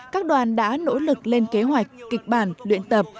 các đoàn đã nỗ lực lên kế hoạch kịch bản luyện tập